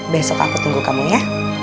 besok aku tunggu kamu ya